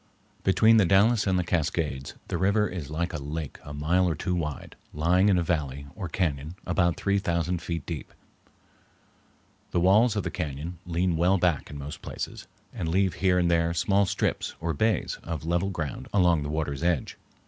Between the Dalles and the Cascades the river is like a lake a mile or two wide, lying in a valley, or cañon, about three thousand feet deep. The walls of the cañon lean well back in most places, and leave here and there small strips, or bays, of level ground along the water's edge.